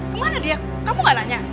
kemana dia kamu gak nanya